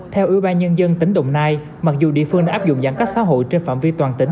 theo ủy ban nhân dân tỉnh đồng nai mặc dù địa phương đã áp dụng giãn cách xã hội trên phạm vi toàn tỉnh